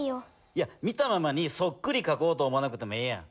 いや見たままにそっくりかこうと思わなくてもええやん。